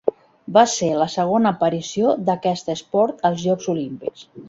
Va ser la segona aparició d'aquest esport als Jocs Olímpics.